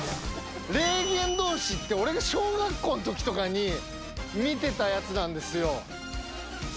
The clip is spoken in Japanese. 『霊幻道士』って俺が小学校のときとかに見てたやつなんですよ。